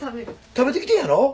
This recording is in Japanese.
食べてきてんやろ？